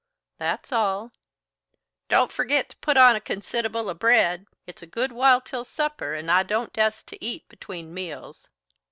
"That's all." "Don't forgit to put on consid'able of bread. It's a good while till supper, and I don't dast to eat between meals."